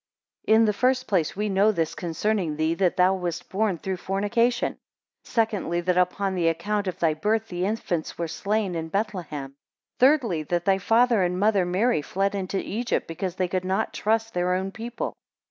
7 In the first place, we know this concerning thee, that thou wast born through fornication; secondly, that upon the account of thy birth the infants were slain in Bethlehem; thirdly, that thy father and mother Mary fled into Egypt, because they could not trust their own people.